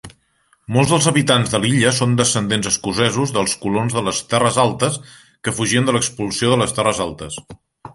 Molts dels habitants de l'illa són descendents escocesos dels colons de les Terres Altes que fugien de l'expulsió de les Terres Altes.